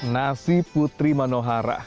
nasi putri manohara